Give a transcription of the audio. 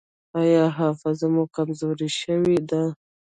ایا حافظه مو کمزورې شوې ده؟